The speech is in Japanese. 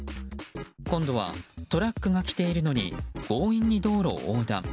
今度はトラックが来ているのに強引に道路を横断。